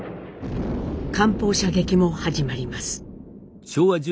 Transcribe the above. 艦砲射撃も始まります。